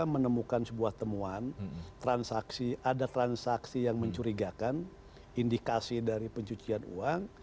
menemukan sebuah temuan transaksi ada transaksi yang mencurigakan indikasi dari pencucian uang